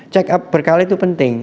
check up berkali itu penting